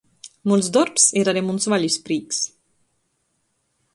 Muns dorbs ir ari muns valis prīks.